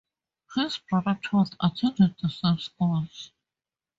His brother Todd attended the same schools.